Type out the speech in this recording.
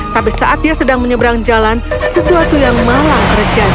tapi saat dia sedang menyeberang jalan sesuatu yang malang terjadi